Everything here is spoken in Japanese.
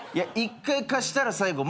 １回貸したら最後。